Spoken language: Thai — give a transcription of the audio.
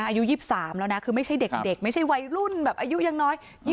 อายุ๒๓แล้วนะคือไม่ใช่เด็กไม่ใช่วัยรุ่นแบบอายุยังน้อย